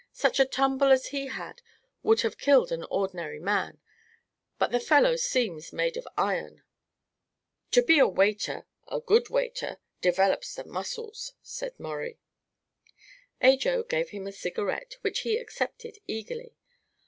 Such a tumble as he had would have killed an ordinary man; but the fellow seems made of iron." "To be a waiter a good waiter develops the muscles," said Maurie. Ajo gave him a cigarette, which he accepted eagerly.